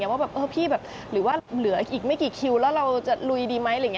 ว่าพี่หรือว่าเหลืออีกไม่กี่คิวแล้วเราจะลุยดีไหม